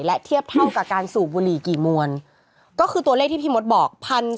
และเทียบเท่ากับการสูบบุหรี่กี่มวลก็คือตัวเลขที่พี่มดบอก